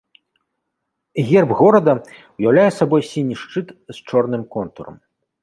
Герб горада ўяўляе сабой сіні шчыт з чорным контурам.